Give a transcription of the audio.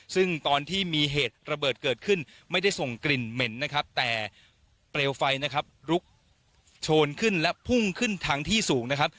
ซึ่งตอนที่มีเหตุระเบิดเกิดขึ้นไม่ได้ส่งกลิ่นเหม็นนะครับแต่เปลวไฟนะครับลุกโชนขึ้นและพุ่งขึ้นทางที่สูงนะครับ